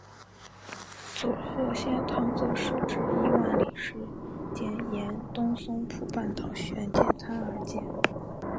佐贺县唐津市至伊万里市间沿东松浦半岛玄界滩而建。